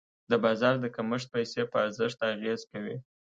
د بازار د کمښت پیسې په ارزښت اغېز کوي.